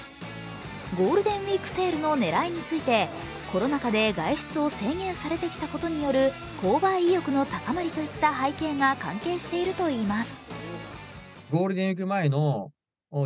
ゴールデンウイークセールの狙いについて、コロナ禍で外出を制限されてきたことによる購買意欲の高まりといった背景が関係しているといいます。